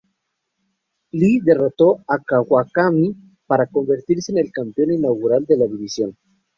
Lee derrotó a Kawakami para convertirse en el campeón inaugural de la división.